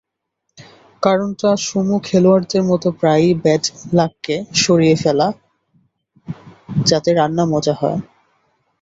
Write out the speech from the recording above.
কারণটা সুমো খেলোয়াড়দের মতো প্রায়ই ব্যাডলাককে সরিয়ে ফেলা, যাতে রান্না মজা হয়।